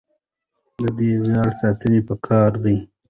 د دې ویاړ ساتنه پکار ده.